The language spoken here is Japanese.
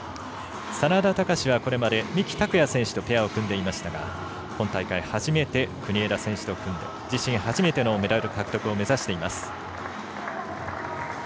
眞田卓はこれまで三木拓也選手とペアを組んでいましたが今大会初めて国枝選手と組んで自身初めてのメダル獲得を目指しています。